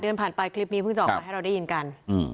เดือนผ่านไปคลิปนี้เพิ่งจะออกมาให้เราได้ยินกัน